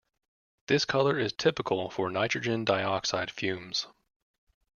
This color is typical for nitrogen dioxide fumes.